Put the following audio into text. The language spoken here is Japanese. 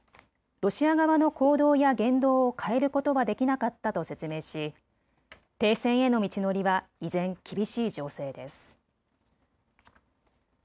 ロシア側の行動や言動を変えることはできなかったと説明し停戦への道のりは依然、厳しい情勢です。